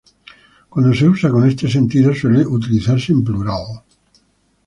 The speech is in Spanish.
Cuando se usa con este sentido, suele utilizarse en plural.